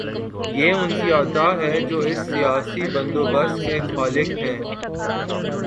یہ ان کی عطا ہے جو اس سیاسی بندوبست کے خالق ہیں۔